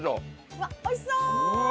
うわっ美味しそう！